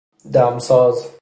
دمساز